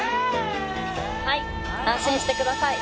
はい安心してください！